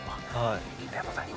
ありがとうございます。